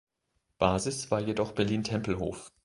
Basis war jedoch Berlin-Tempelhof.